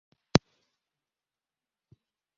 Askari alichukua hongo.